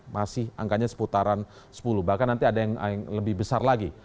masih angkanya seputaran sepuluh bahkan nanti ada yang lebih besar lagi